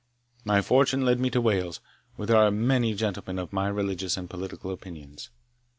My fortune led me to Wales, where there are many gentlemen of my religious and political opinions.